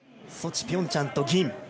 ソチ、ピョンチャンと銀。